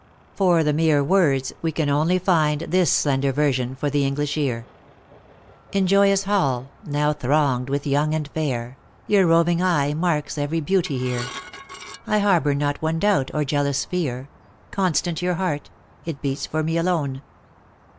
For the mere words, we can only find this slender version for the English ear: In joyous hall, now thronged with young and fair, Your roving eye marks every beauty here ; I harbor not one doubt or jealous fear ; Constant your heart ; it beats for me alone.